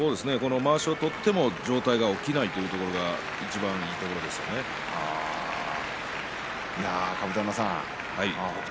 まわしを取っても上体が起きないところが甲山さん北勝